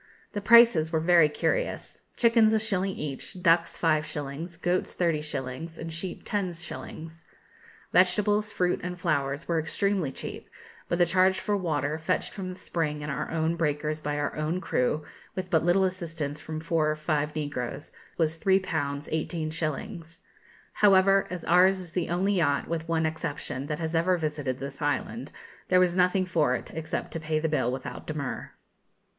The prices were very curious. Chickens a shilling each, ducks five shillings, goats thirty shillings, and sheep ten shillings. Vegetables, fruit, and flowers were extremely cheap; but the charge for water, fetched from the spring in our own breakers by our own crew, with but little assistance from four or five negroes, was 3_l_. 18_s_. However, as ours is the only yacht, with one exception, that has ever visited this island, there was nothing for it except to pay the bill without demur.